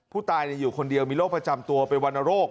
ผู้ตายอยู่คนเดียวมีโรคประจำตัวเป็นวรรณโรค